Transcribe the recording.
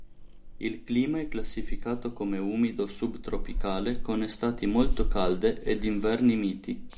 Il clima è classificato come umido subtropicale con estati molto calde ed inverni miti.